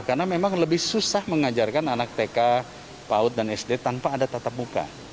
karena memang lebih susah mengajarkan anak tk paud dan sd tanpa ada tatap muka